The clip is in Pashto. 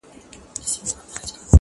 چي ته راځې تر هغو خاندمه خدایان خندوم